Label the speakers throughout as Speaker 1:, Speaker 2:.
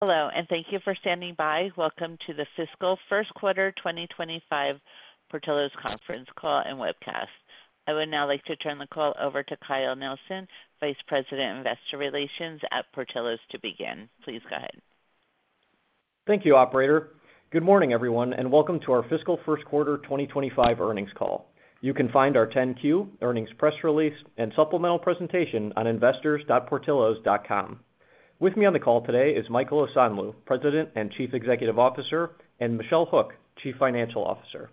Speaker 1: Hello, and thank you for standing by welcome to the Fiscal First Quarter 2025 Portillo's Conference Call and Webcast. I would now like to turn the call over to Kyle Nelsen, Vice President, Investor Relations at Portillo's, to begin. Please go ahead.
Speaker 2: Thank you, Operator. Good morning, everyone, and welcome to our Fiscal First Quarter 2025 Earnings Call. You can find our 10Q, earnings press release, and supplemental presentation on investors.portillos.com. With me on the call today is Michael Osanloo, President and Chief Executive Officer, and Michelle Hook, Chief Financial Officer.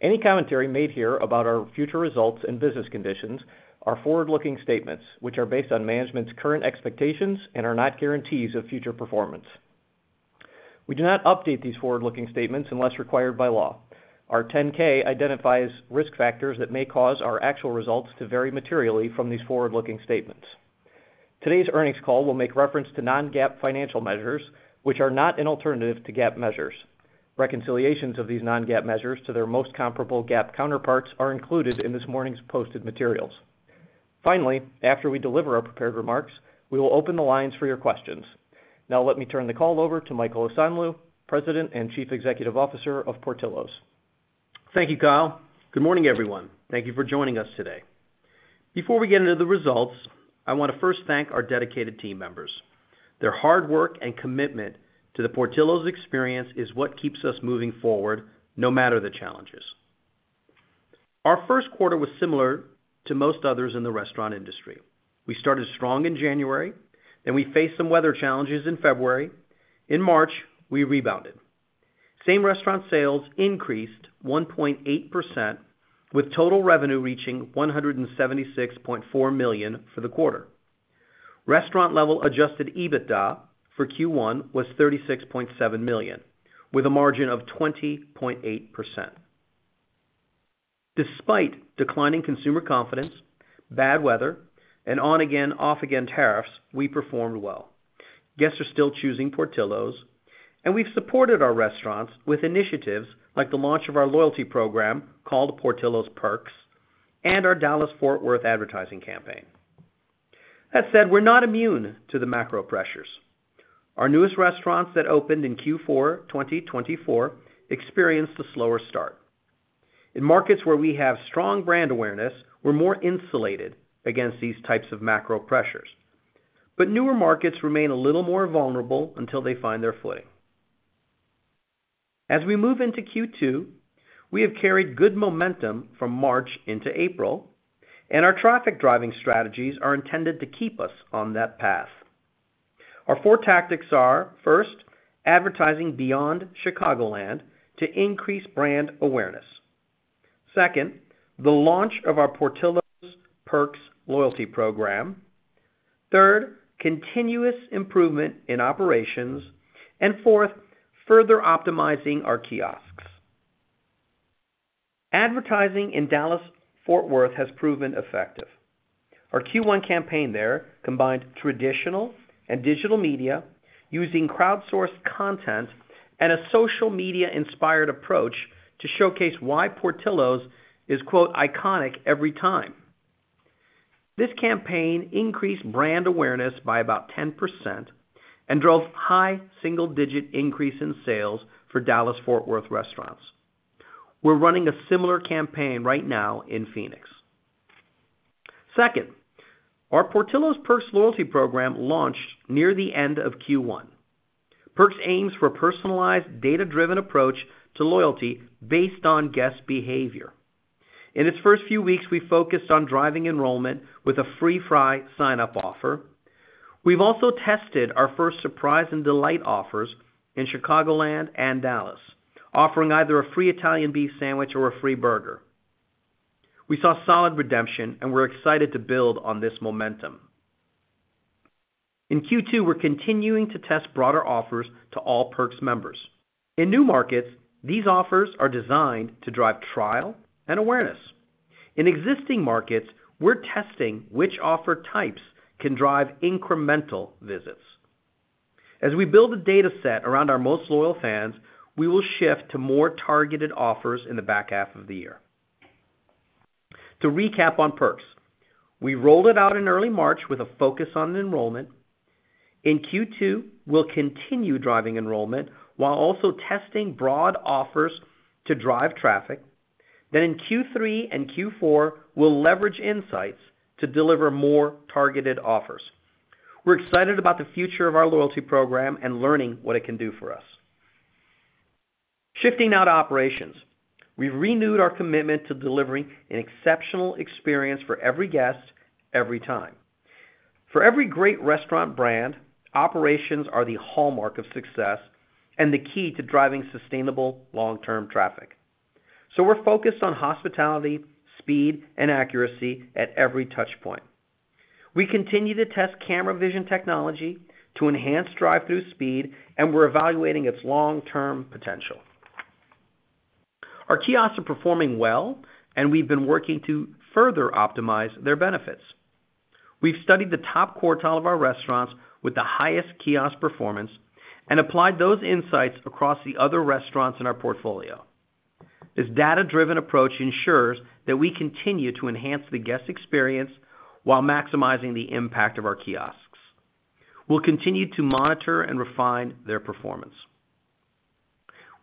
Speaker 2: Any commentary made here about our future results and business conditions are forward-looking statements, which are based on management's current expectations and are not guarantees of future performance. We do not update these forward-looking statements unless required by law. Our 10K identifies risk factors that may cause our actual results to vary materially from these forward-looking statements. Today's earnings call will make reference to non-GAAP financial measures, which are not an alternative to GAAP measures. Reconciliations of these non-GAAP measures to their most comparable GAAP counterparts are included in this morning's posted materials. Finally, after we deliver our prepared remarks, we will open the lines for your questions. Now, let me turn the call over to Michael Osanloo, President and Chief Executive Officer of Portillo's.
Speaker 3: Thank you, Kyle. Good morning, everyone. Thank you for joining us today. Before we get into the results, I want to first thank our dedicated team members. Their hard work and commitment to the Portillo's experience is what keeps us moving forward no matter the challenges. Our first quarter was similar to most others in the restaurant industry. We started strong in January, then we faced some weather challenges in February. In March, we rebounded. Same restaurant sales increased 1.8%, with total revenue reaching $176.4 million for the quarter. Restaurant-level adjusted EBITDA for Q1 was $36.7 million, with a margin of 20.8%. Despite declining consumer confidence, bad weather, and on-again, off-again tariffs, we performed well. Guests are still choosing Portillo's, and we've supported our restaurants with initiatives like the launch of our loyalty program called Portillo's Perks and our Dallas-Fort Worth advertising campaign. That said, we're not immune to the macro pressures. Our newest restaurants that opened in Q4 2024 experienced a slower start. In markets where we have strong brand awareness, we're more insulated against these types of macro pressures. Newer markets remain a little more vulnerable until they find their footing. As we move into Q2, we have carried good momentum from March into April, and our traffic driving strategies are intended to keep us on that path. Our four tactics are: first, advertising beyond Chicagoland to increase brand awareness; second, the launch of our Portillo's Perks loyalty program; third, continuous improvement in operations; and fourth, further optimizing our kiosks. Advertising in Dallas-Fort Worth has proven effective. Our Q1 campaign there combined traditional and digital media using crowdsourced content and a social media-inspired approach to showcase why Portillo's is "iconic every time." This campaign increased brand awareness by about 10% and drove high single-digit increase in sales for Dallas-Fort Worth restaurants. We're running a similar campaign right now in Phoenix. Second, our Portillo's Perks loyalty program launched near the end of Q1. Perks aims for a personalized, data-driven approach to loyalty based on guest behavior. In its first few weeks, we focused on driving enrollment with a free fry sign-up offer. We've also tested our first surprise and delight offers in Chicagoland and Dallas, offering either a free Italian beef sandwich or a free burger. We saw solid redemption and were excited to build on this momentum. In Q2, we're continuing to test broader offers to all Perks members. In new markets, these offers are designed to drive trial and awareness. In existing markets, we're testing which offer types can drive incremental visits. As we build a data set around our most loyal fans, we will shift to more targeted offers in the back half of the year. To recap on Perks, we rolled it out in early March with a focus on enrollment. In Q2, we'll continue driving enrollment while also testing broad offers to drive traffic. In Q3 and Q4, we'll leverage insights to deliver more targeted offers. We're excited about the future of our loyalty program and learning what it can do for us. Shifting our operations, we've renewed our commitment to delivering an exceptional experience for every guest, every time. For every great restaurant brand, operations are the hallmark of success and the key to driving sustainable long-term traffic. We're focused on hospitality, speed, and accuracy at every touchpoint. We continue to test camera vision technology to enhance drive-through speed, and we're evaluating its long-term potential. Our kiosks are performing well, and we've been working to further optimize their benefits. We've studied the top quartile of our restaurants with the highest kiosk performance and applied those insights across the other restaurants in our portfolio. This data-driven approach ensures that we continue to enhance the guest experience while maximizing the impact of our kiosks. We'll continue to monitor and refine their performance.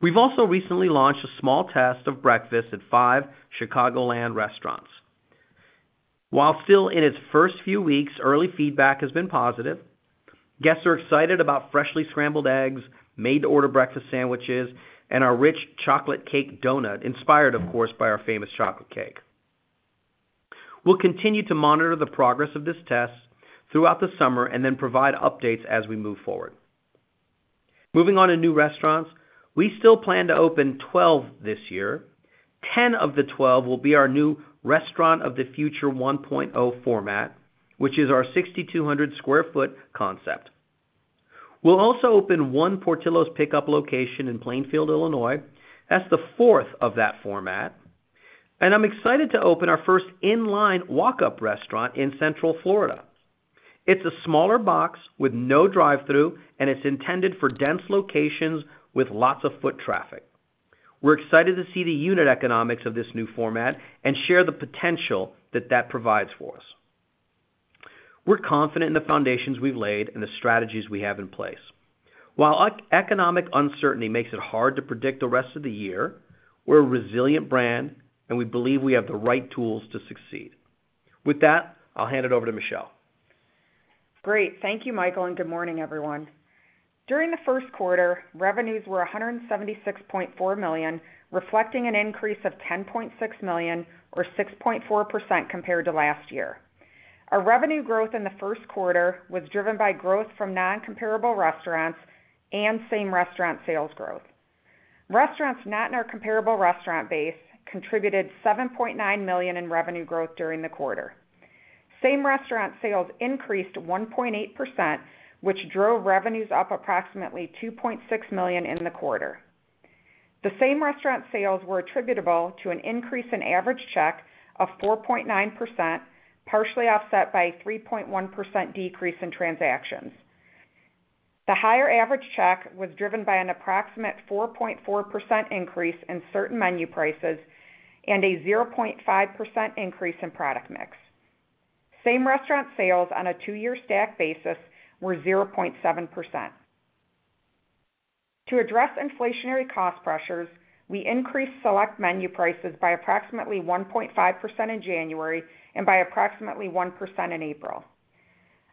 Speaker 3: We've also recently launched a small test of breakfast at five Chicagoland restaurants. While still in its first few weeks, early feedback has been positive. Guests are excited about freshly scrambled eggs, made-to-order breakfast sandwiches, and our rich chocolate cake donut, inspired, of course, by our famous chocolate cake. We'll continue to monitor the progress of this test throughout the summer and then provide updates as we move forward. Moving on to new restaurants, we still plan to open 12 this year. Ten of the 12 will be our new Restaurant of the Future 1.0 format, which is our 6,200 sq ft concept. We'll also open one Portillo's Pickup location in Plainfield, Illinois. That's the fourth of that format. I'm excited to open our first inline walk-up restaurant in Central Florida. It's a smaller box with no drive-through, and it's intended for dense locations with lots of foot traffic. We're excited to see the unit economics of this new format and share the potential that that provides for us. We're confident in the foundations we've laid and the strategies we have in place. While economic uncertainty makes it hard to predict the rest of the year, we're a resilient brand, and we believe we have the right tools to succeed. With that, I'll hand it over to Michelle.
Speaker 4: Great. Thank you, Michael, and good morning, everyone. During the first quarter, revenues were $176.4 million, reflecting an increase of $10.6 million, or 6.4% compared to last year. Our revenue growth in the first quarter was driven by growth from non-comparable restaurants and same restaurant sales growth. Restaurants not in our comparable restaurant base contributed $7.9 million in revenue growth during the quarter. Same restaurant sales increased 1.8%, which drove revenues up approximately $2.6 million in the quarter. The same restaurant sales were attributable to an increase in average check of 4.9%, partially offset by a 3.1% decrease in transactions. The higher average check was driven by an approximate 4.4% increase in certain menu prices and a 0.5% increase in product mix. Same restaurant sales on a two-year stack basis were 0.7%. To address inflationary cost pressures, we increased select menu prices by approximately 1.5% in January and by approximately 1% in April.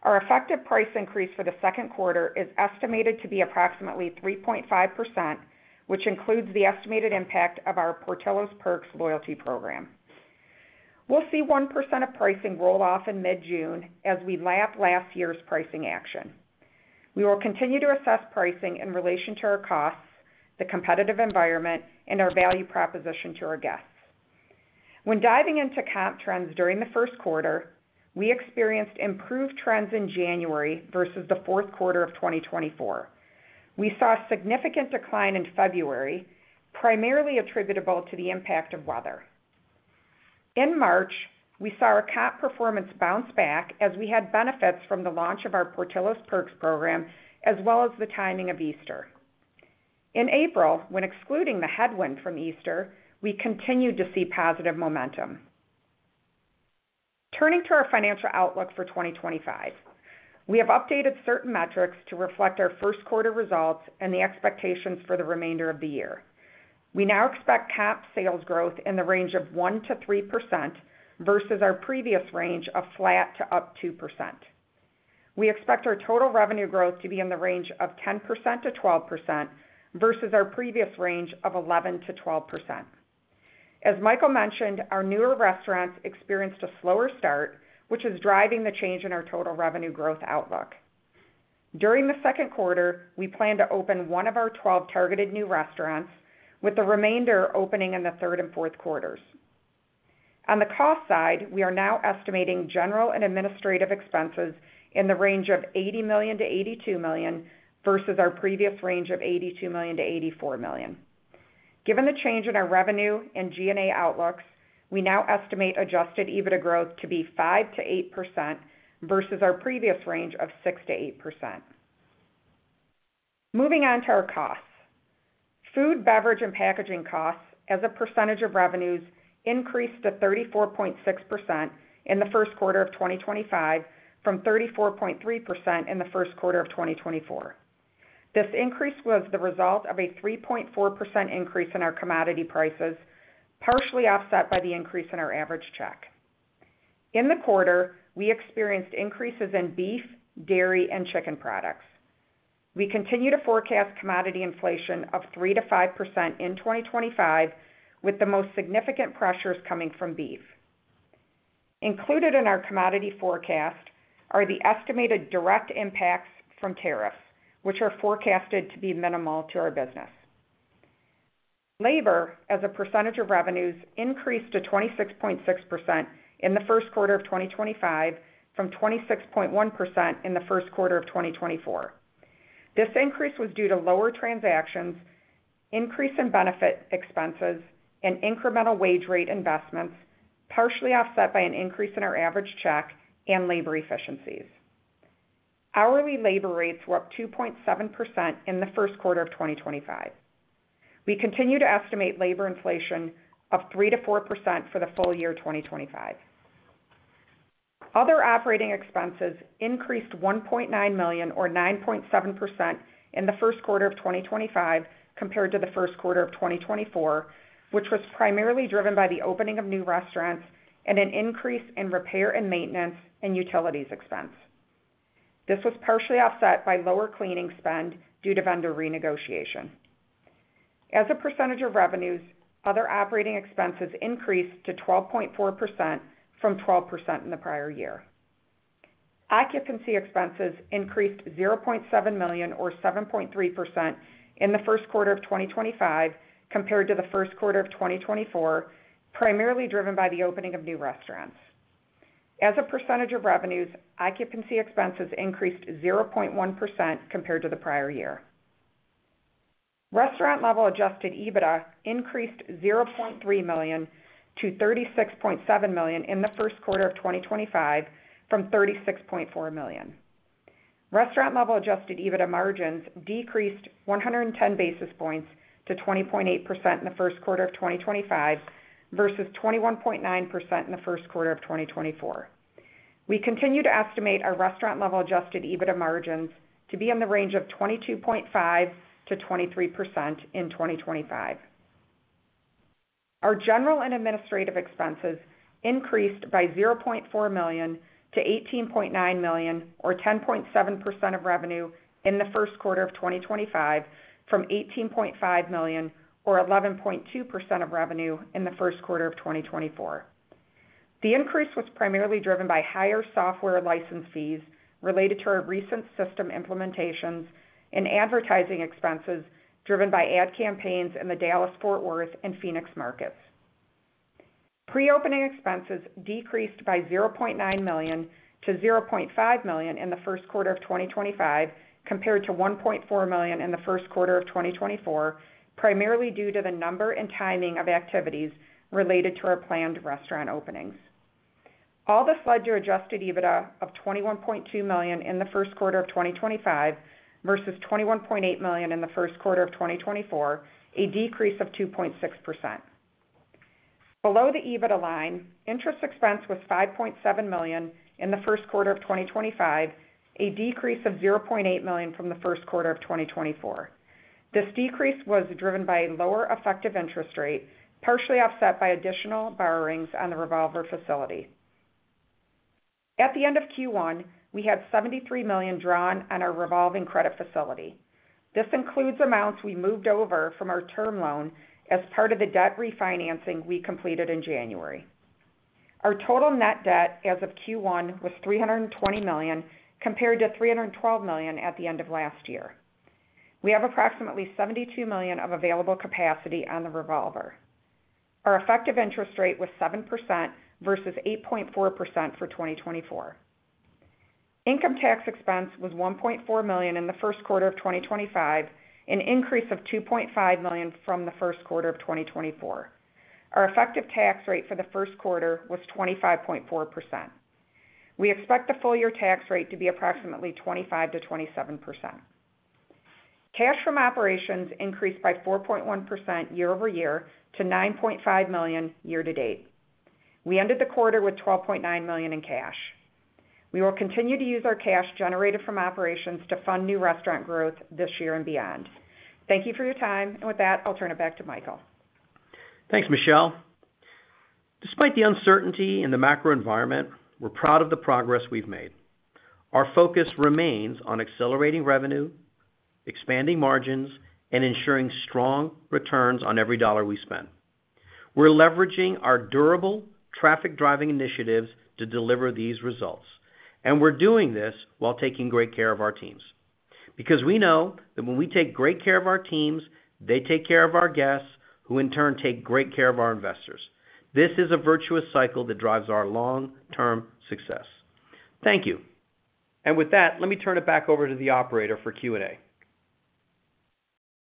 Speaker 4: Our effective price increase for the second quarter is estimated to be approximately 3.5%, which includes the estimated impact of our Portillo's Perks loyalty program. We'll see 1% of pricing roll off in mid-June as we lap last year's pricing action. We will continue to assess pricing in relation to our costs, the competitive environment, and our value proposition to our guests. When diving into comp trends during the first quarter, we experienced improved trends in January versus the fourth quarter of 2024. We saw a significant decline in February, primarily attributable to the impact of weather. In March, we saw our comp performance bounce back as we had benefits from the launch of our Portillo's Perks program as well as the timing of Easter. In April, when excluding the headwind from Easter, we continued to see positive momentum. Turning to our financial outlook for 2025, we have updated certain metrics to reflect our first quarter results and the expectations for the remainder of the year. We now expect comp sales growth in the range of 1-3% versus our previous range of flat to up 2%. We expect our total revenue growth to be in the range of 10-12% versus our previous range of 11-12%. As Michael mentioned, our newer restaurants experienced a slower start, which is driving the change in our total revenue growth outlook. During the second quarter, we plan to open one of our 12 targeted new restaurants, with the remainder opening in the third and fourth quarters. On the cost side, we are now estimating general and administrative expenses in the range of $80 million-$82 million versus our previous range of $82 million-$84 million. Given the change in our revenue and G&A outlooks, we now estimate adjusted EBITDA growth to be 5%-8% versus our previous range of 6%-8%. Moving on to our costs. Food, beverage, and packaging costs as a percentage of revenues increased to 34.6% in the first quarter of 2025 from 34.3% in the first quarter of 2024. This increase was the result of a 3.4% increase in our commodity prices, partially offset by the increase in our average check. In the quarter, we experienced increases in beef, dairy, and chicken products. We continue to forecast commodity inflation of 3%-5% in 2025, with the most significant pressures coming from beef. Included in our commodity forecast are the estimated direct impacts from tariffs, which are forecasted to be minimal to our business. Labor as a percentage of revenues increased to 26.6% in the first quarter of 2025 from 26.1% in the first quarter of 2024. This increase was due to lower transactions, increase in benefit expenses, and incremental wage rate investments, partially offset by an increase in our average check and labor efficiencies. Hourly labor rates were up 2.7% in the first quarter of 2025. We continue to estimate labor inflation of 3%-4% for the full year 2025. Other operating expenses increased $1.9 million, or 9.7%, in the first quarter of 2025 compared to the first quarter of 2024, which was primarily driven by the opening of new restaurants and an increase in repair and maintenance and utilities expense. This was partially offset by lower cleaning spend due to vendor renegotiation. As a percentage of revenues, other operating expenses increased to 12.4% from 12% in the prior year. Occupancy expenses increased $0.7 million, or 7.3%, in the first quarter of 2025 compared to the first quarter of 2024, primarily driven by the opening of new restaurants. As a percentage of revenues, occupancy expenses increased 0.1% compared to the prior year. Restaurant-level adjusted EBITDA increased $0.3 million to $36.7 million in the first quarter of 2025 from $36.4 million. Restaurant-level adjusted EBITDA margins decreased 110 basis points to 20.8% in the first quarter of 2025 versus 21.9% in the first quarter of 2024. We continue to estimate our restaurant-level adjusted EBITDA margins to be in the range of 22.5%-23% in 2025. Our general and administrative expenses increased by $0.4 million to $18.9 million, or 10.7% of revenue in the first quarter of 2025 from $18.5 million, or 11.2% of revenue in the first quarter of 2024. The increase was primarily driven by higher software license fees related to our recent system implementations and advertising expenses driven by ad campaigns in the Dallas-Fort Worth and Phoenix markets. Pre-opening expenses decreased by $0.9 million to $0.5 million in the first quarter of 2025 compared to $1.4 million in the first quarter of 2024, primarily due to the number and timing of activities related to our planned restaurant openings. All this led to adjusted EBITDA of $21.2 million in the first quarter of 2025 versus $21.8 million in the first quarter of 2024, a decrease of 2.6%. Below the EBITDA line, interest expense was $5.7 million in the first quarter of 2025, a decrease of $0.8 million from the first quarter of 2024. This decrease was driven by a lower effective interest rate, partially offset by additional borrowings on the revolving facility. At the end of Q1, we had $73 million drawn on our revolving credit facility. This includes amounts we moved over from our term loan as part of the debt refinancing we completed in January. Our total net debt as of Q1 was $320 million compared to $312 million at the end of last year. We have approximately $72 million of available capacity on the revolver. Our effective interest rate was 7% versus 8.4% for 2024. Income tax expense was $1.4 million in the first quarter of 2025, an increase of $2.5 million from the first quarter of 2024. Our effective tax rate for the first quarter was 25.4%. We expect the full year tax rate to be approximately 25%-27%. Cash from operations increased by 4.1% year over year to $9.5 million year to date. We ended the quarter with $12.9 million in cash. We will continue to use our cash generated from operations to fund new restaurant growth this year and beyond. Thank you for your time. With that, I'll turn it back to Michael.
Speaker 3: Thanks, Michelle. Despite the uncertainty in the macro environment, we're proud of the progress we've made. Our focus remains on accelerating revenue, expanding margins, and ensuring strong returns on every dollar we spend. We're leveraging our durable traffic-driving initiatives to deliver these results. We're doing this while taking great care of our teams. Because we know that when we take great care of our teams, they take care of our guests, who in turn take great care of our investors. This is a virtuous cycle that drives our long-term success. Thank you. With that, let me turn it back over to the operator for Q&A.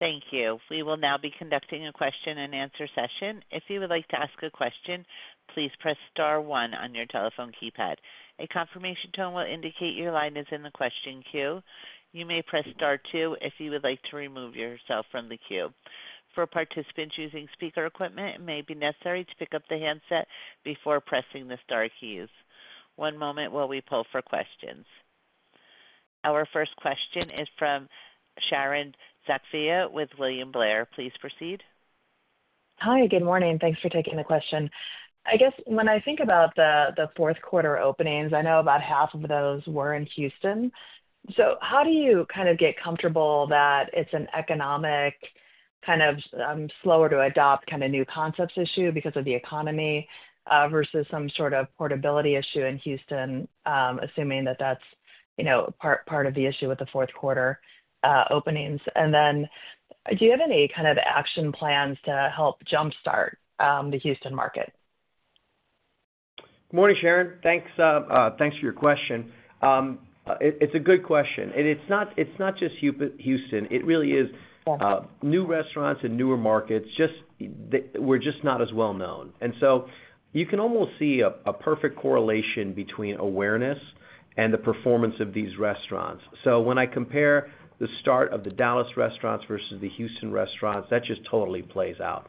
Speaker 1: Thank you. We will now be conducting a question-and-answer session. If you would like to ask a question, please press star one on your telephone keypad. A confirmation tone will indicate your line is in the question queue. You may press star two if you would like to remove yourself from the queue. For participants using speaker equipment, it may be necessary to pick up the handset before pressing the star keys. One moment while we pull for questions. Our first question is from Sharon Zackfia with William Blair. Please proceed.
Speaker 5: Hi, good morning. Thanks for taking the question. I guess when I think about the fourth quarter openings, I know about half of those were in Houston. How do you kind of get comfortable that it's an economic kind of slower-to-adopt kind of new concepts issue because of the economy versus some sort of portability issue in Houston, assuming that that's part of the issue with the fourth quarter openings? Do you have any kind of action plans to help jump-start the Houston market?
Speaker 3: Good morning, Sharon. Thanks for your question. It's a good question. It's not just Houston. It really is new restaurants and newer markets where we're just not as well-known. You can almost see a perfect correlation between awareness and the performance of these restaurants. When I compare the start of the Dallas restaurants versus the Houston restaurants, that just totally plays out.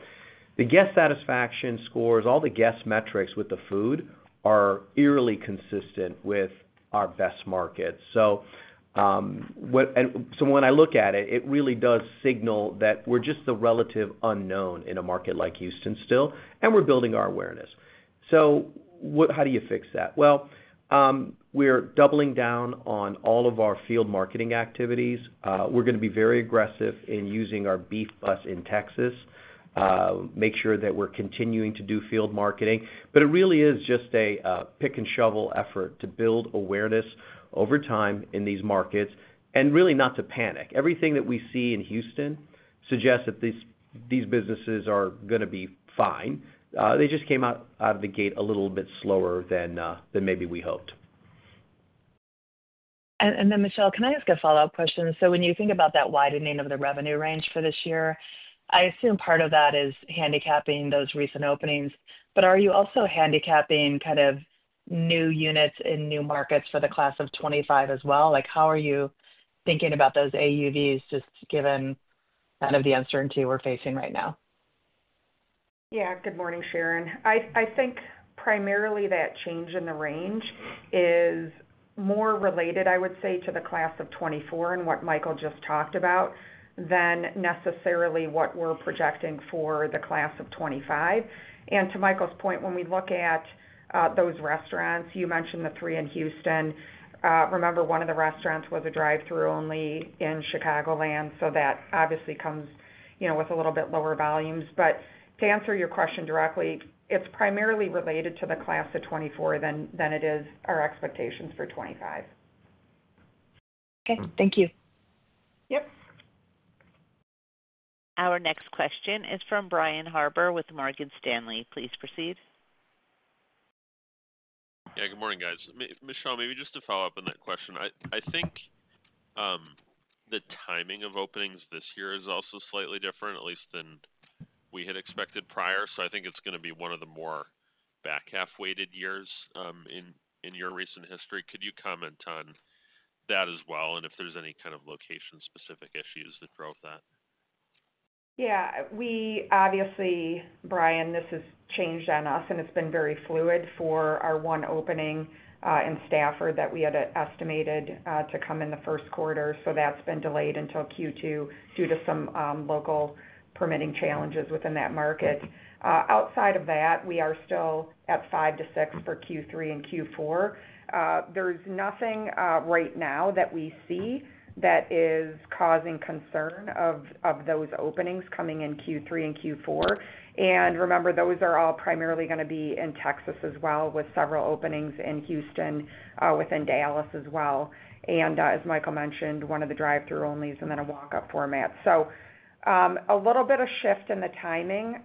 Speaker 3: The guest satisfaction scores, all the guest metrics with the food are eerily consistent with our best markets. When I look at it, it really does signal that we're just the relative unknown in a market like Houston still, and we're building our awareness. How do you fix that? We're doubling down on all of our field marketing activities. We're going to be very aggressive in using our beef bus in Texas, make sure that we're continuing to do field marketing. It really is just a pick-and-shovel effort to build awareness over time in these markets and really not to panic. Everything that we see in Houston suggests that these businesses are going to be fine. They just came out of the gate a little bit slower than maybe we hoped.
Speaker 5: Michelle, can I ask a follow-up question? When you think about that widening of the revenue range for this year, I assume part of that is handicapping those recent openings. Are you also handicapping kind of new units in new markets for the class of 2025 as well? How are you thinking about those AUVs just given kind of the uncertainty we're facing right now?
Speaker 4: Yeah. Good morning, Sharon. I think primarily that change in the range is more related, I would say, to the class of 2024 and what Michael just talked about than necessarily what we're projecting for the class of 2025. To Michael's point, when we look at those restaurants, you mentioned the three in Houston. Remember, one of the restaurants was a drive-thru only in Chicagoland, so that obviously comes with a little bit lower volumes. To answer your question directly, it's primarily related to the class of 2024 than it is our expectations for 2025.
Speaker 5: Okay. Thank you.
Speaker 4: Yep.
Speaker 1: Our next question is from Brian Harbour with Morgan Stanley. Please proceed.
Speaker 6: Yeah. Good morning, guys. Michelle, maybe just to follow up on that question. I think the timing of openings this year is also slightly different, at least than we had expected prior. I think it's going to be one of the more back half-weighted years in your recent history. Could you comment on that as well and if there's any kind of location-specific issues that drove that?
Speaker 4: Yeah. Obviously, Brian, this has changed on us, and it's been very fluid for our one opening in Stafford that we had estimated to come in the first quarter. That's been delayed until Q2 due to some local permitting challenges within that market. Outside of that, we are still at five to six for Q3 and Q4. There's nothing right now that we see that is causing concern of those openings coming in Q3 and Q4. Remember, those are all primarily going to be in Texas as well, with several openings in Houston, within Dallas as well. As Michael mentioned, one of the drive-thru onlys and then a walk-up format. A little bit of shift in the timing,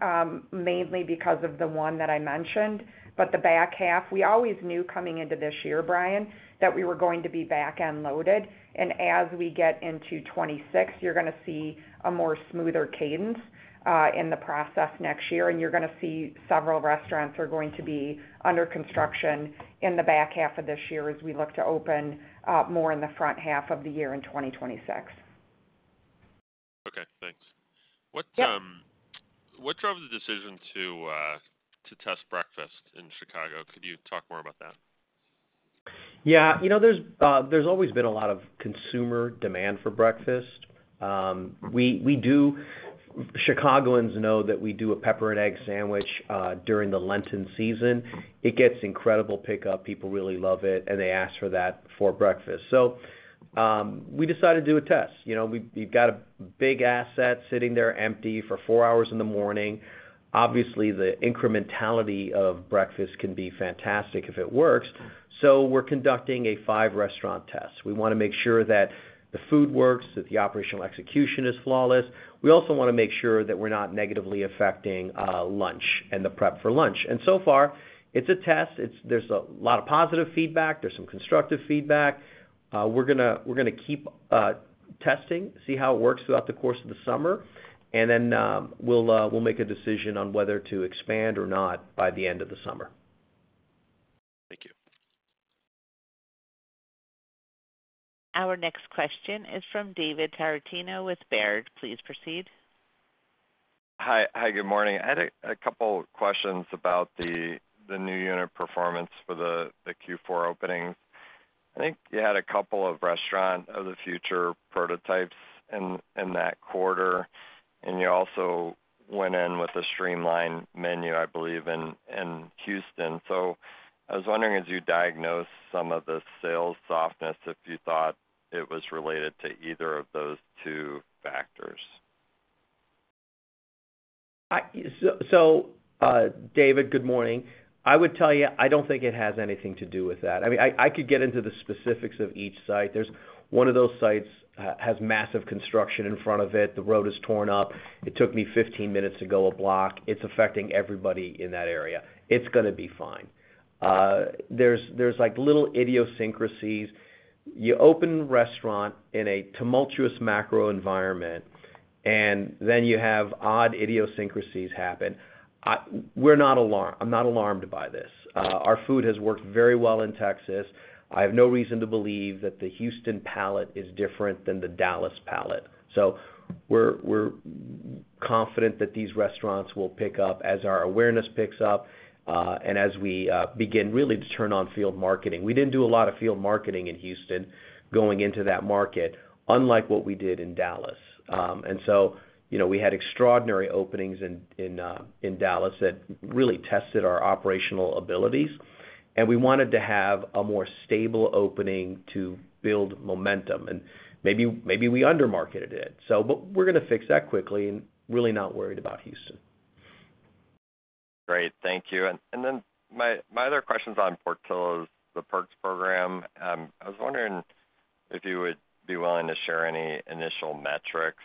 Speaker 4: mainly because of the one that I mentioned. The back half, we always knew coming into this year, Brian, that we were going to be back and loaded. As we get into 2026, you're going to see a more smoother cadence in the process next year. You're going to see several restaurants are going to be under construction in the back half of this year as we look to open more in the front half of the year in 2026.
Speaker 6: Okay. Thanks. What drove the decision to test breakfast in Chicago? Could you talk more about that?
Speaker 3: Yeah. There's always been a lot of consumer demand for breakfast. Chicagoans know that we do a pepper and egg sandwich during the Lenten season. It gets incredible pickup. People really love it, and they ask for that for breakfast. We decided to do a test. We've got a big asset sitting there empty for four hours in the morning. Obviously, the incrementality of breakfast can be fantastic if it works. We are conducting a five-restaurant test. We want to make sure that the food works, that the operational execution is flawless. We also want to make sure that we're not negatively affecting lunch and the prep for lunch. So far, it's a test. There's a lot of positive feedback. There's some constructive feedback. We're going to keep testing, see how it works throughout the course of the summer. We'll make a decision on whether to expand or not by the end of the summer.
Speaker 6: Thank you.
Speaker 1: Our next question is from David Tarantino with Baird. Please proceed.
Speaker 7: Hi. Hi, good morning. I had a couple of questions about the new unit performance for the Q4 openings. I think you had a couple of restaurants of the future prototypes in that quarter. You also went in with a streamlined menu, I believe, in Houston. I was wondering, as you diagnose some of the sales softness, if you thought it was related to either of those two factors.
Speaker 3: David, good morning. I would tell you, I don't think it has anything to do with that. I mean, I could get into the specifics of each site. One of those sites has massive construction in front of it. The road is torn up. It took me 15 minutes to go a block. It's affecting everybody in that area. It's going to be fine. There's little idiosyncrasies. You open a restaurant in a tumultuous macro environment, and then you have odd idiosyncrasies happen. I'm not alarmed by this. Our food has worked very well in Texas. I have no reason to believe that the Houston palate is different than the Dallas palate. We're confident that these restaurants will pick up as our awareness picks up and as we begin really to turn on field marketing. We didn't do a lot of field marketing in Houston going into that market, unlike what we did in Dallas. We had extraordinary openings in Dallas that really tested our operational abilities. We wanted to have a more stable opening to build momentum. Maybe we under-marketed it. We're going to fix that quickly and really not worried about Houston.
Speaker 7: Great. Thank you. My other question is on Portillo's, the Perks program. I was wondering if you would be willing to share any initial metrics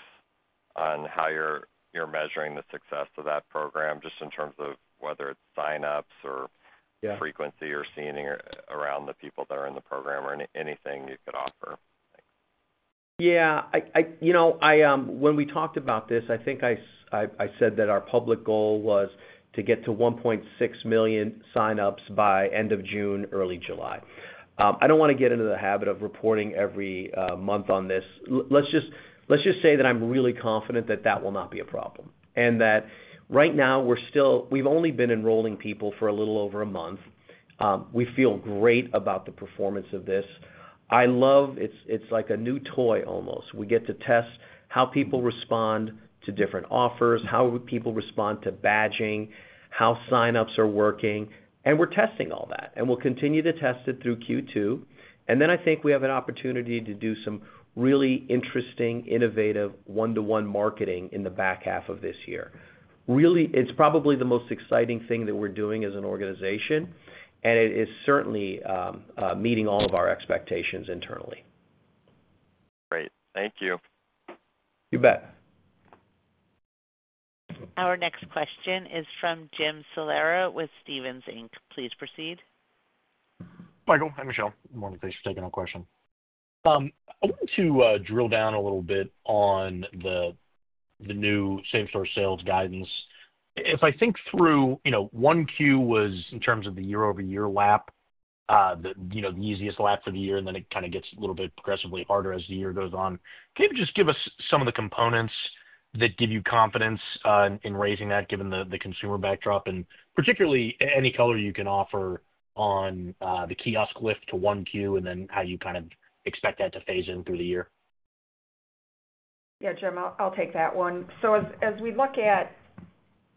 Speaker 7: on how you're measuring the success of that program, just in terms of whether it's sign-ups or frequency you're seeing around the people that are in the program or anything you could offer.
Speaker 3: Yeah. When we talked about this, I think I said that our public goal was to get to 1.6 million sign-ups by end of June, early July. I do not want to get into the habit of reporting every month on this. Let's just say that I'm really confident that that will not be a problem and that right now, we've only been enrolling people for a little over a month. We feel great about the performance of this. It's like a new toy, almost. We get to test how people respond to different offers, how people respond to badging, how sign-ups are working. We are testing all that. We will continue to test it through Q2. I think we have an opportunity to do some really interesting, innovative one-to-one marketing in the back half of this year. It's probably the most exciting thing that we're doing as an organization. It is certainly meeting all of our expectations internally.
Speaker 7: Great. Thank you.
Speaker 3: You bet.
Speaker 1: Our next question is from Jim Salera with Stephens Inc. Please proceed.
Speaker 8: Michael, hi, Michelle. Good morning. Thanks for taking the question. I wanted to drill down a little bit on the new same-store sales guidance. If I think through, 1Q was in terms of the year-over-year lap, the easiest lap for the year, and then it kind of gets a little bit progressively harder as the year goes on. Can you just give us some of the components that give you confidence in raising that, given the consumer backdrop, and particularly any color you can offer on the kiosk lift to 1Q and then how you kind of expect that to phase in through the year?
Speaker 4: Yeah, Jim, I'll take that one. As we look at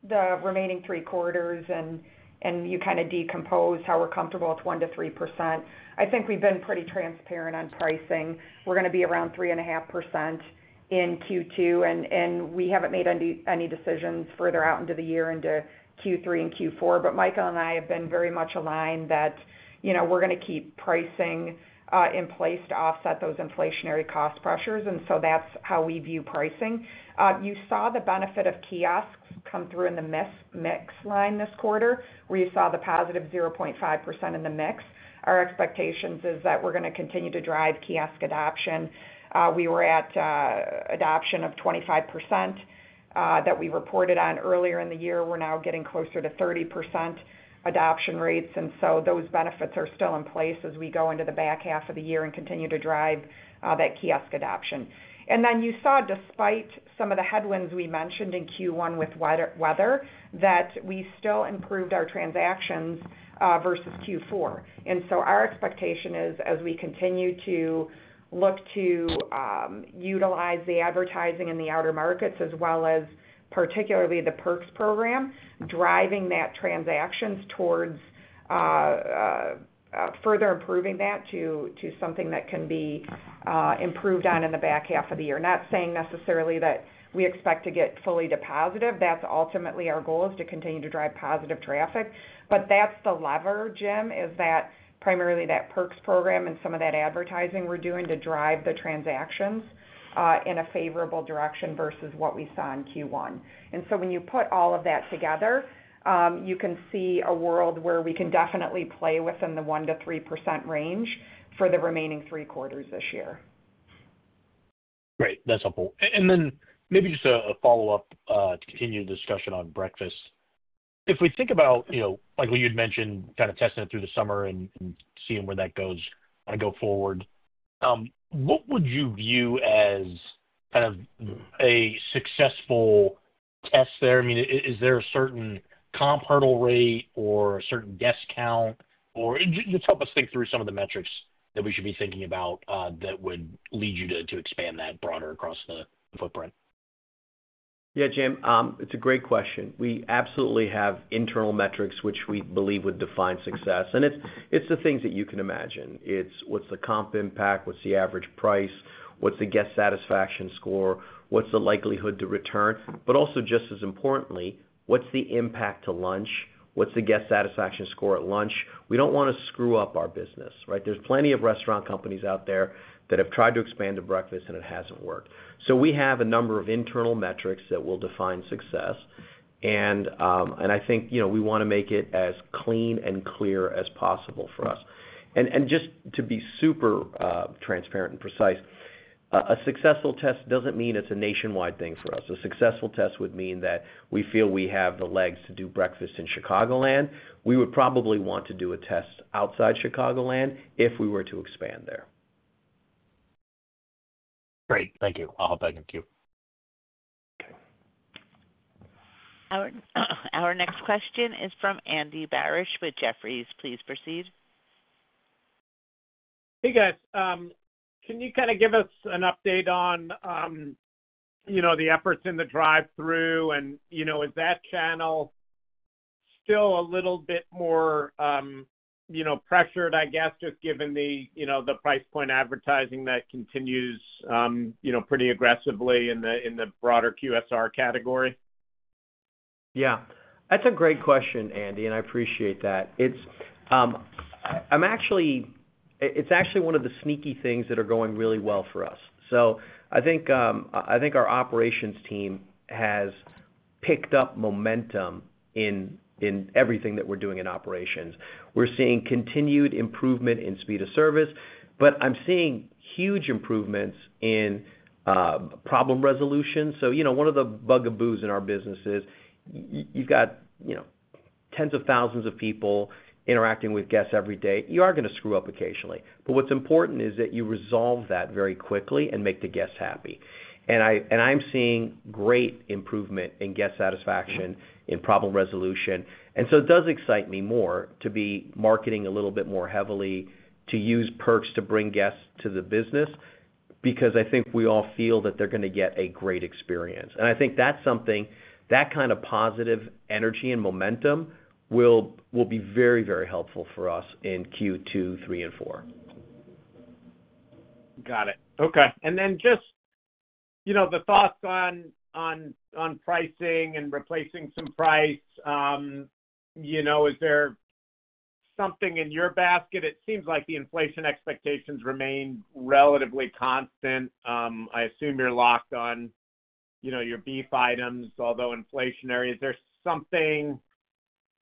Speaker 4: the remaining three quarters and you kind of decompose how we're comfortable with 1%-3%, I think we've been pretty transparent on pricing. We're going to be around 3.5% in Q2. We haven't made any decisions further out into the year into Q3 and Q4. Michael and I have been very much aligned that we're going to keep pricing in place to offset those inflationary cost pressures. That's how we view pricing. You saw the benefit of kiosks come through in the mix line this quarter where you saw the positive 0.5% in the mix. Our expectation is that we're going to continue to drive kiosk adoption. We were at adoption of 25% that we reported on earlier in the year. We're now getting closer to 30% adoption rates. Those benefits are still in place as we go into the back half of the year and continue to drive that kiosk adoption. You saw, despite some of the headwinds we mentioned in Q1 with weather, that we still improved our transactions versus Q4. Our expectation is, as we continue to look to utilize the advertising in the outer markets as well as particularly the Perks program, driving that transactions towards further improving that to something that can be improved on in the back half of the year. Not saying necessarily that we expect to get fully depositive. That's ultimately our goal is to continue to drive positive traffic. That's the lever, Jim, is primarily that Perks program and some of that advertising we're doing to drive the transactions in a favorable direction versus what we saw in Q1. When you put all of that together, you can see a world where we can definitely play within the 1%-3% range for the remaining three quarters this year.
Speaker 8: Great. That's helpful. Maybe just a follow-up to continue the discussion on breakfast. If we think about, like you had mentioned, kind of testing it through the summer and seeing where that goes going forward, what would you view as kind of a successful test there? I mean, is there a certain comp hurdle rate or a certain guest count? Just help us think through some of the metrics that we should be thinking about that would lead you to expand that broader across the footprint.
Speaker 3: Yeah, Jim, it's a great question. We absolutely have internal metrics which we believe would define success. It's the things that you can imagine. It's what's the comp impact, what's the average price, what's the guest satisfaction score, what's the likelihood to return, but also just as importantly, what's the impact to lunch, what's the guest satisfaction score at lunch. We don't want to screw up our business, right? There's plenty of restaurant companies out there that have tried to expand to breakfast, and it hasn't worked. We have a number of internal metrics that will define success. I think we want to make it as clean and clear as possible for us. Just to be super transparent and precise, a successful test doesn't mean it's a nationwide thing for us. A successful test would mean that we feel we have the legs to do breakfast in Chicagoland. We would probably want to do a test outside Chicagoland if we were to expand there.
Speaker 8: Great. Thank you. I'll hop back in Q.
Speaker 3: Okay.
Speaker 1: Our next question is from Andy Barish with Jefferies. Please proceed.
Speaker 9: Hey, guys. Can you kind of give us an update on the efforts in the drive-thru? Is that channel still a little bit more pressured, I guess, just given the price point advertising that continues pretty aggressively in the broader QSR category?
Speaker 3: Yeah. That's a great question, Andy, and I appreciate that. It's actually one of the sneaky things that are going really well for us. I think our operations team has picked up momentum in everything that we're doing in operations. We're seeing continued improvement in speed of service. I'm seeing huge improvements in problem resolution. One of the bugaboos in our business is you've got tens of thousands of people interacting with guests every day. You are going to screw up occasionally. What's important is that you resolve that very quickly and make the guests happy. I'm seeing great improvement in guest satisfaction, in problem resolution. It does excite me more to be marketing a little bit more heavily, to use perks to bring guests to the business, because I think we all feel that they're going to get a great experience. I think that kind of positive energy and momentum will be very, very helpful for us in Q2, 3, and 4.
Speaker 9: Got it. Okay. And then just the thoughts on pricing and replacing some price. Is there something in your basket? It seems like the inflation expectations remain relatively constant. I assume you're locked on your beef items, although inflationary. Is there something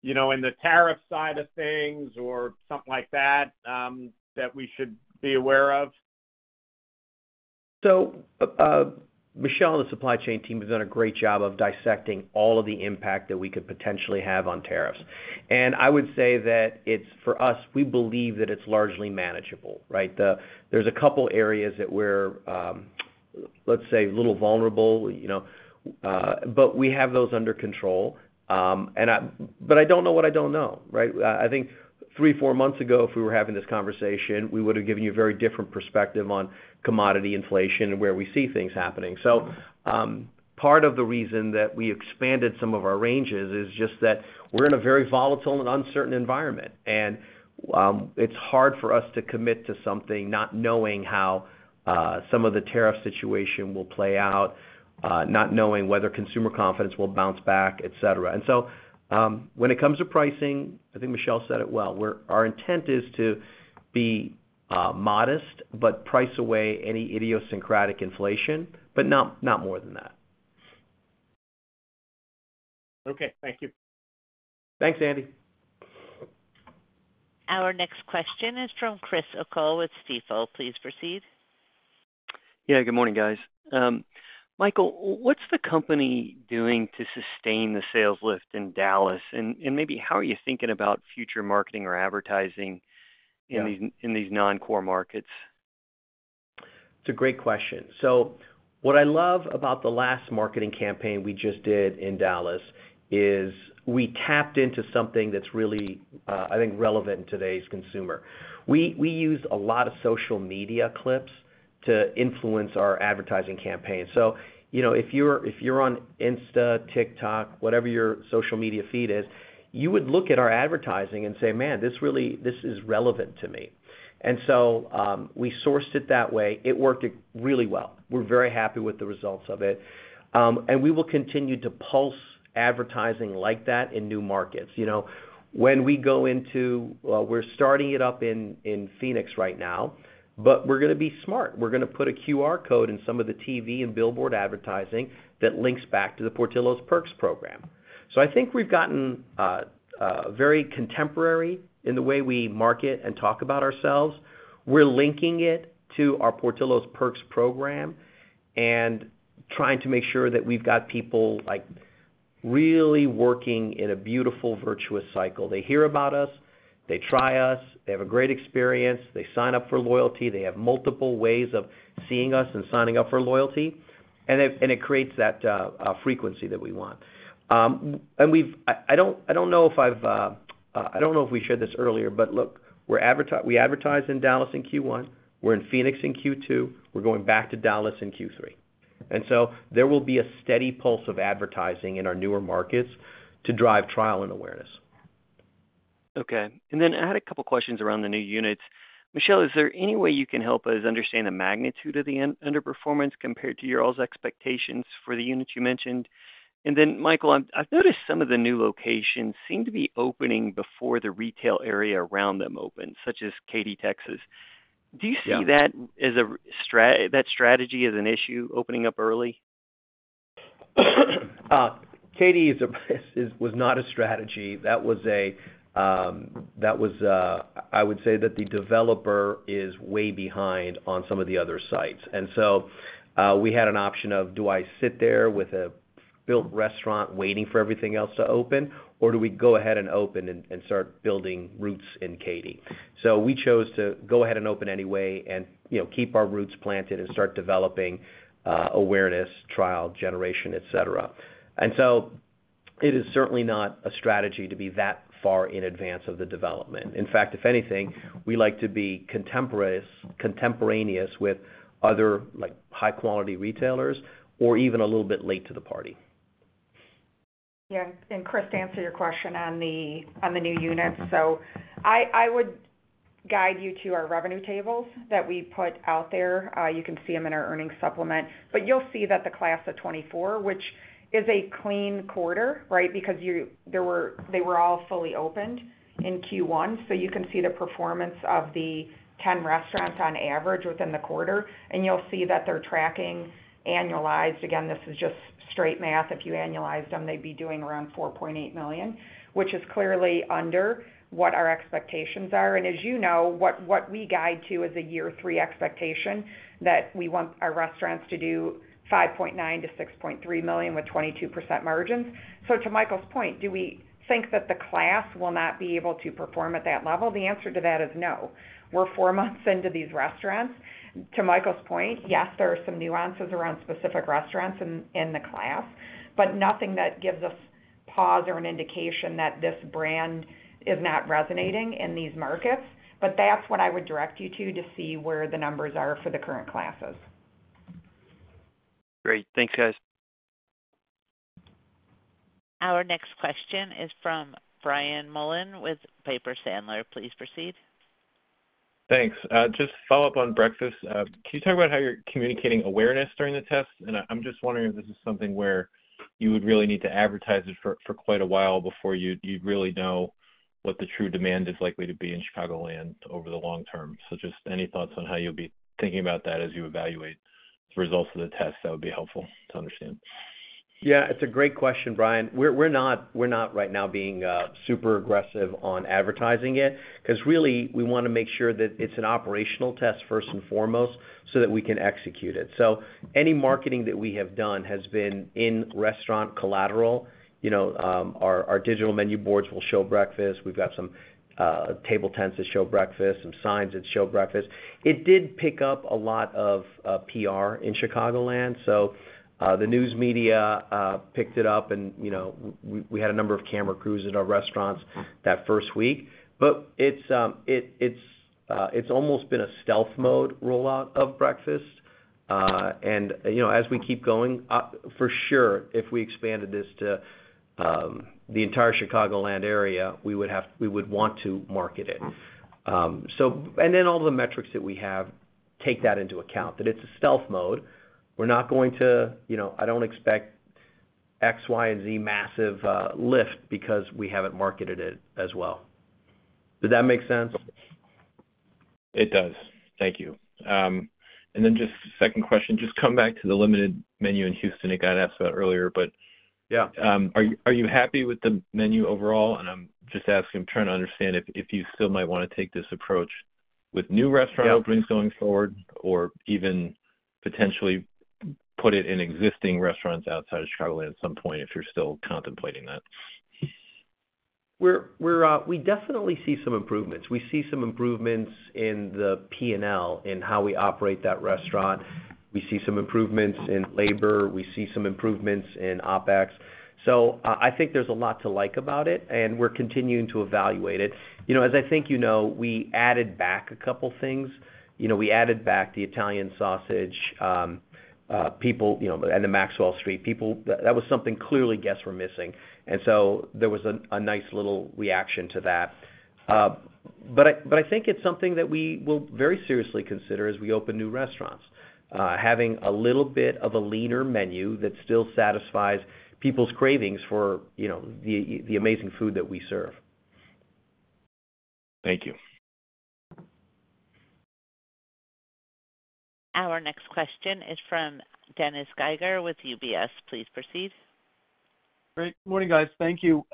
Speaker 9: in the tariff side of things or something like that that we should be aware of?
Speaker 3: Michelle and the supply chain team have done a great job of dissecting all of the impact that we could potentially have on tariffs. I would say that for us, we believe that it is largely manageable, right? There are a couple of areas that we are, let's say, a little vulnerable, but we have those under control. I do not know what I do not know, right? I think three, four months ago, if we were having this conversation, we would have given you a very different perspective on commodity inflation and where we see things happening. Part of the reason that we expanded some of our ranges is just that we are in a very volatile and uncertain environment. It is hard for us to commit to something not knowing how some of the tariff situation will play out, not knowing whether consumer confidence will bounce back, etc. When it comes to pricing, I think Michelle said it well. Our intent is to be modest but price away any idiosyncratic inflation, but not more than that.
Speaker 9: Okay. Thank you.
Speaker 3: Thanks, Andy.
Speaker 1: Our next question is from Chris O'Cull with Stifel. Please proceed.
Speaker 10: Yeah. Good morning, guys. Michael, what's the company doing to sustain the sales lift in Dallas? And maybe how are you thinking about future marketing or advertising in these non-core markets?
Speaker 3: It's a great question. What I love about the last marketing campaign we just did in Dallas is we tapped into something that's really, I think, relevant in today's consumer. We used a lot of social media clips to influence our advertising campaign. If you're on Insta, TikTok, whatever your social media feed is, you would look at our advertising and say, "Man, this is relevant to me." We sourced it that way. It worked really well. We're very happy with the results of it. We will continue to pulse advertising like that in new markets. When we go into, we're starting it up in Phoenix right now, but we're going to be smart. We're going to put a QR code in some of the TV and billboard advertising that links back to the Portillo's Perks program. I think we've gotten very contemporary in the way we market and talk about ourselves. We're linking it to our Portillo's Perks program and trying to make sure that we've got people really working in a beautiful virtuous cycle. They hear about us. They try us. They have a great experience. They sign up for loyalty. They have multiple ways of seeing us and signing up for loyalty. It creates that frequency that we want. I don't know if we shared this earlier, but look, we advertise in Dallas in Q1. We're in Phoenix in Q2. We're going back to Dallas in Q3. There will be a steady pulse of advertising in our newer markets to drive trial and awareness.
Speaker 10: Okay. I had a couple of questions around the new units. Michelle, is there any way you can help us understand the magnitude of the underperformance compared to your all's expectations for the units you mentioned? Michael, I've noticed some of the new locations seem to be opening before the retail area around them opens, such as Katy, Texas. Do you see that strategy as an issue opening up early?
Speaker 3: Katy was not a strategy. That was a—I would say that the developer is way behind on some of the other sites. I had an option of, do I sit there with a built restaurant waiting for everything else to open, or do we go ahead and open and start building routes in Katy? We chose to go ahead and open anyway and keep our roots planted and start developing awareness, trial generation, etc. It is certainly not a strategy to be that far in advance of the development. In fact, if anything, we like to be contemporaneous with other high-quality retailers or even a little bit late to the party.
Speaker 4: Yeah. Chris, to answer your question on the new units, I would guide you to our revenue tables that we put out there. You can see them in our earnings supplement. You will see that the class of 2024, which is a clean quarter, right, because they were all fully opened in Q1. You can see the performance of the 10 restaurants on average within the quarter. You will see that they are tracking annualized. Again, this is just straight math. If you annualized them, they would be doing around $4.8 million, which is clearly under what our expectations are. As you know, what we guide to is a year three expectation that we want our restaurants to do $5.9 million-$6.3 million with 22% margins. To Michael's point, do we think that the class will not be able to perform at that level? The answer to that is no. We're four months into these restaurants. To Michael's point, yes, there are some nuances around specific restaurants in the class, but nothing that gives us pause or an indication that this brand is not resonating in these markets. That is what I would direct you to, to see where the numbers are for the current classes.
Speaker 10: Great. Thanks, guys.
Speaker 1: Our next question is from Brian Mullan with Piper Sandler. Please proceed.
Speaker 11: Thanks. Just follow-up on breakfast. Can you talk about how you're communicating awareness during the test? I'm just wondering if this is something where you would really need to advertise it for quite a while before you really know what the true demand is likely to be in Chicagoland over the long term. Just any thoughts on how you'll be thinking about that as you evaluate the results of the test? That would be helpful to understand.
Speaker 3: Yeah. It's a great question, Brian. We're not right now being super aggressive on advertising it because really, we want to make sure that it's an operational test first and foremost so that we can execute it. Any marketing that we have done has been in restaurant collateral. Our digital menu boards will show breakfast. We've got some table tents that show breakfast, some signs that show breakfast. It did pick up a lot of PR in Chicagoland. The news media picked it up, and we had a number of camera crews at our restaurants that first week. It's almost been a stealth mode rollout of breakfast. As we keep going, for sure, if we expanded this to the entire Chicagoland area, we would want to market it. All the metrics that we have take that into account, that it's a stealth mode. We're not going to—I don't expect X, Y, and Z massive lift because we haven't marketed it as well. Does that make sense?
Speaker 11: It does. Thank you. Just second question, just come back to the limited menu in Houston. I got to ask about it earlier, but are you happy with the menu overall? I'm just asking, I'm trying to understand if you still might want to take this approach with new restaurant openings going forward or even potentially put it in existing restaurants outside of Chicagoland at some point if you're still contemplating that.
Speaker 3: We definitely see some improvements. We see some improvements in the P&L and how we operate that restaurant. We see some improvements in labor. We see some improvements in OpEx. I think there's a lot to like about it, and we're continuing to evaluate it. As I think you know, we added back a couple of things. We added back the Italian sausage people and the Maxwell Street people. That was something clearly guests were missing. There was a nice little reaction to that. I think it's something that we will very seriously consider as we open new restaurants, having a little bit of a leaner menu that still satisfies people's cravings for the amazing food that we serve.
Speaker 11: Thank you.
Speaker 1: Our next question is from Dennis Geiger with UBS. Please proceed.
Speaker 12: Great. Good morning, guys. Thank you.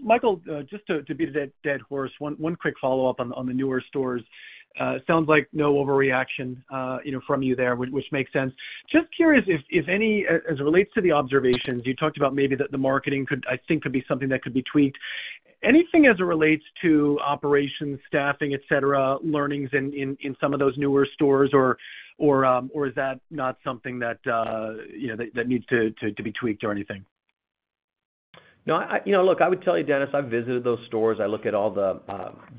Speaker 12: Michael, just to beat a dead horse, one quick follow-up on the newer stores. Sounds like no overreaction from you there, which makes sense. Just curious if any, as it relates to the observations, you talked about maybe that the marketing could, I think, could be something that could be tweaked. Anything as it relates to operations, staffing, etc., learnings in some of those newer stores, or is that not something that needs to be tweaked or anything?
Speaker 3: No. Look, I would tell you, Dennis, I've visited those stores. I look at all the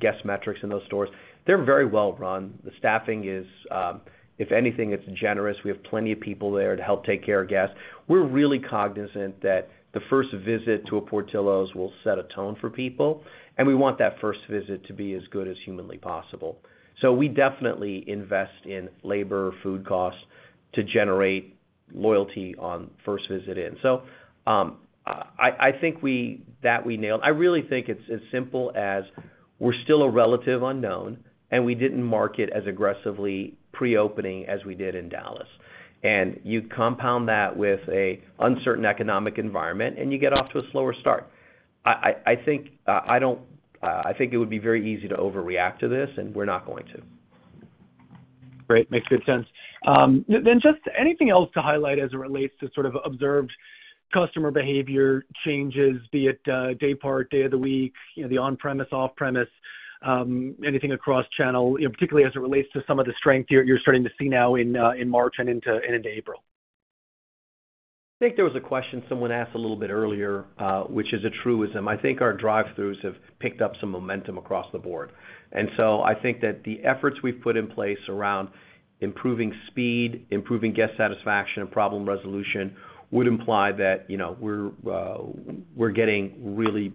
Speaker 3: guest metrics in those stores. They're very well-run. The staffing is, if anything, it's generous. We have plenty of people there to help take care of guests. We're really cognizant that the first visit to a Portillo's will set a tone for people, and we want that first visit to be as good as humanly possible. We definitely invest in labor, food costs to generate loyalty on first visit in. I think that we nailed. I really think it's as simple as we're still a relative unknown, and we didn't market as aggressively pre-opening as we did in Dallas. You compound that with an uncertain economic environment, and you get off to a slower start. I think it would be very easy to overreact to this, and we're not going to.
Speaker 12: Great. Makes good sense. Just anything else to highlight as it relates to sort of observed customer behavior changes, be it day part, day of the week, the on-premise, off-premise, anything across channel, particularly as it relates to some of the strength you're starting to see now in March and into April?
Speaker 3: I think there was a question someone asked a little bit earlier, which is a truism. I think our drive-throughs have picked up some momentum across the board. I think that the efforts we've put in place around improving speed, improving guest satisfaction, and problem resolution would imply that we're getting really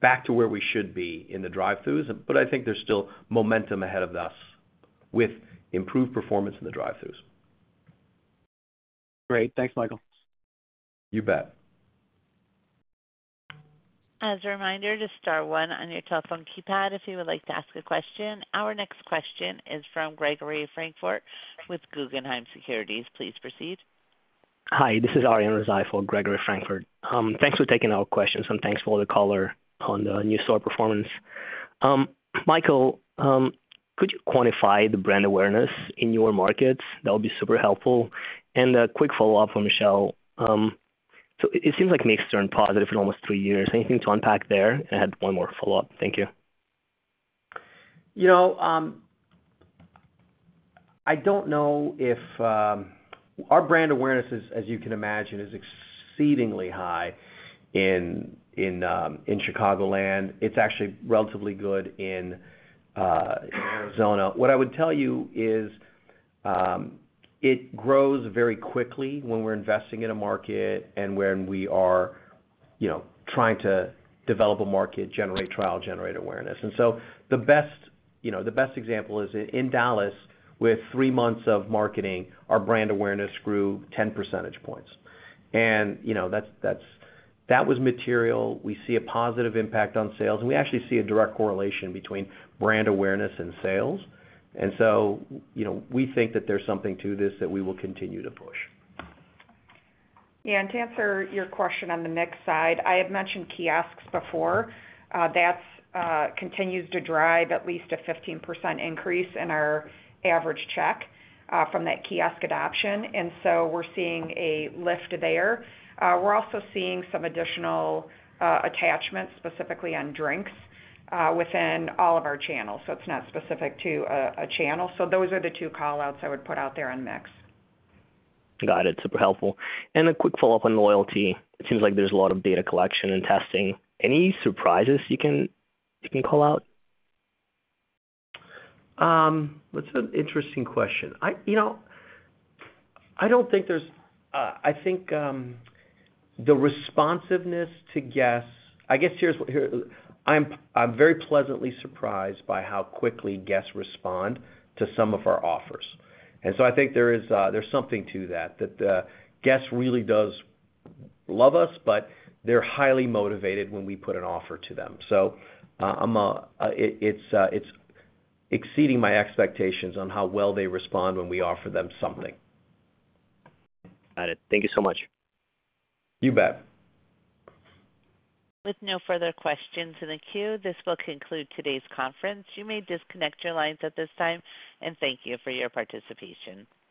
Speaker 3: back to where we should be in the drive-throughs. I think there's still momentum ahead of us with improved performance in the drive-throughs.
Speaker 12: Great. Thanks, Michael.
Speaker 3: You bet.
Speaker 1: As a reminder, press star one on your telephone keypad if you would like to ask a question. Our next question is from Gregory Francfort with Guggenheim Securities. Please proceed. Hi. This is Arian Razai for Gregory Francfort. Thanks for taking our questions, and thanks for the color on the new store performance. Michael, could you quantify the brand awareness in your markets? That would be super helpful. A quick follow-up for Michelle. It seems like mix turned positive for almost three years. Anything to unpack there? I had one more follow-up. Thank you.
Speaker 3: I don't know if our brand awareness, as you can imagine, is exceedingly high in Chicagoland. It's actually relatively good in Arizona. What I would tell you is it grows very quickly when we're investing in a market and when we are trying to develop a market, generate trial, generate awareness. The best example is in Dallas, with three months of marketing, our brand awareness grew 10 percentage points. That was material. We see a positive impact on sales, and we actually see a direct correlation between brand awareness and sales. We think that there's something to this that we will continue to push.
Speaker 4: Yeah. To answer your question on the mix side, I had mentioned kiosks before. That continues to drive at least a 15% increase in our average check from that kiosk adoption. We are seeing a lift there. We are also seeing some additional attachments, specifically on drinks, within all of our channels. It is not specific to a channel. Those are the two callouts I would put out there on mix.
Speaker 13: Got it. Super helpful. A quick follow-up on loyalty. It seems like there's a lot of data collection and testing. Any surprises you can call out?
Speaker 3: That's an interesting question. I don't think there's—I think the responsiveness to guests—I guess here's what, I'm very pleasantly surprised by how quickly guests respond to some of our offers. I think there's something to that, that the guest really does love us, but they're highly motivated when we put an offer to them. It's exceeding my expectations on how well they respond when we offer them something.
Speaker 13: Got it. Thank you so much.
Speaker 3: You bet.
Speaker 1: With no further questions in the queue, this will conclude today's conference. You may disconnect your lines at this time, and thank you for your participation.